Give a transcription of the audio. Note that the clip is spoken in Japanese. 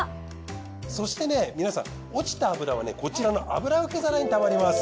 そして皆さん落ちた脂はこちらの油受け皿にたまります。